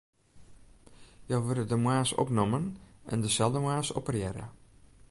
Jo wurde de moarns opnommen en deselde moarns operearre.